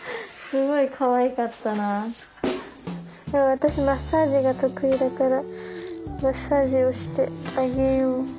私マッサージが得意だからマッサージをしてあげよう。